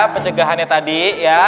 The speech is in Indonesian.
pencegahannya tadi ya